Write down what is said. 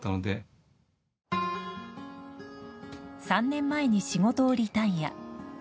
３年前に仕事をリタイア。